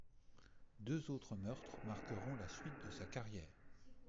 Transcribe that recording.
Deux autres meurtres marqueront la suite de sa carrière.